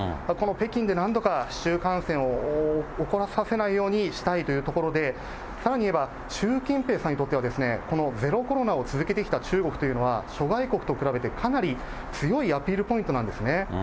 この北京でなんとか、市中感染を起こさせないようにしたいというところで、さらに言えば、習近平さんにとっては、このゼロコロナを続けてきた中国というのは、諸外国と比べて、かなり強いアピールポイントなんですね。